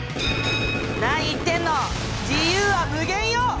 何言ってんの自由は無限よ！